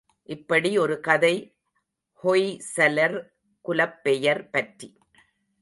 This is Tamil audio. இப்படி ஒரு கதை ஹொய்சலர் குலப்பெயர் பற்றி.